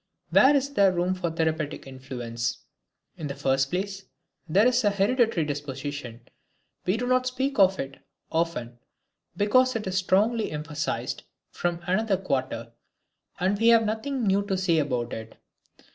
Where is there room for therapeutic influence? In the first place, there is hereditary disposition; we do not speak of it often because it is strongly emphasized from another quarter, and we have nothing new to say about it.